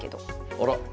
あら。